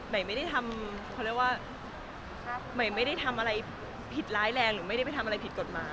เพราะว่าไม่ได้ทำอะไรผิดร้ายแรงหรือไม่มีอะไรผิดกฎหมาย